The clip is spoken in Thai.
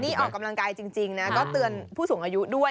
นี่ออกกำลังกายจริงนะก็เตือนผู้สูงอายุด้วย